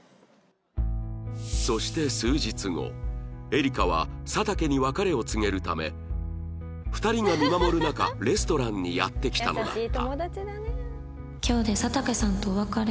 そして数日後エリカは佐竹に別れを告げるため２人が見守る中レストランにやって来たのだった